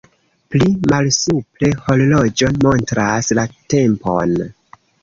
Pli malsupre horloĝo montras la tempon.